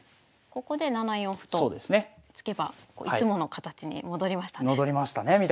ここで７四歩と突けばいつもの形に戻りましたね。